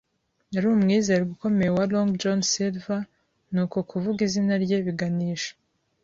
Yari umwizerwa ukomeye wa Long John Silver, nuko kuvuga izina rye biganisha